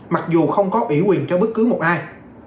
mặc dù không có ủy quyền cho bất cứ một ai